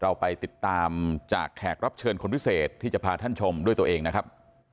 เราไปติดตามจากแขกรับเชิญคนพิเศษที่จะพาท่านชมด้วยตัวเองนะครับ